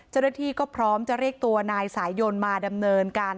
เจ้าหน้าที่ก็พร้อมจะเรียกตัวนายสายยนต์มาดำเนินการ